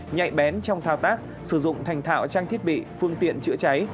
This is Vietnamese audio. nhạy bén trong thao tác sử dụng thành thạo trang thiết bị phương tiện chữa cháy